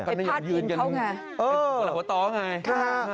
ไปพาดอินเข้าไงเออต่อไงค่ะ